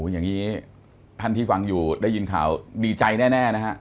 อย่างนี้ท่านที่ฟังอยู่ได้ยินข่าวดีใจแน่นะฮะ